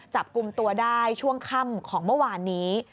จับกลุ่มตัวได้ช่วงค่ำของเมื่อวานนี้